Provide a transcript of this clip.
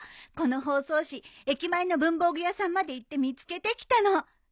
この包装紙駅前の文房具屋さんまで行って見つけてきたの。